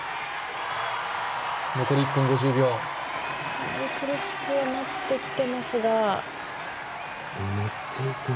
かなり苦しくなってきてますが。